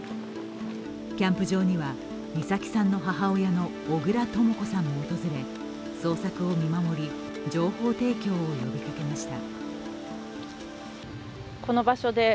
キャンプ場には美咲さんの母親の小倉とも子さんも訪れ捜索を見守り、情報提供を呼びかけました。